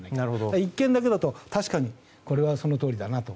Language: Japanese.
でも１件だけだと確かにこれは、そのとおりだと。